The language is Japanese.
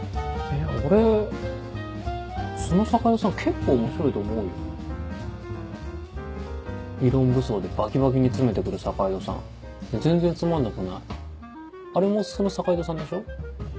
俺素の坂井戸さん結構面白いと理論武装でバキバキに詰めてくる坂井戸さん全然つまんなくないあれも素の坂井戸さんでしょ？